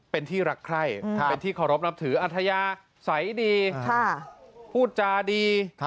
เป็นที่รักใคร่ครับเป็นที่ขอรบนับถืออัธยาใสดีค่ะพูดจาดีครับ